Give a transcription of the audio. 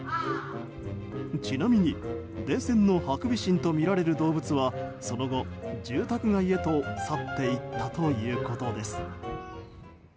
ちなみに、電線のハクビシンとみられる動物はその後、住宅街へと去っていったということです。